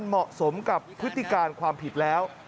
เหมาะสมกับพฤติการความผิดแล้ว